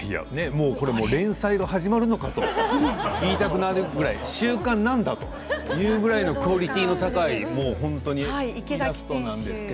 連載が始まるのかと言いたくなるぐらい週刊なんだというぐらいクオリティーの高い見事なんですけど。